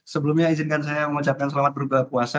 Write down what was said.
sebelumnya izinkan saya mengucapkan selamat berbuka puasa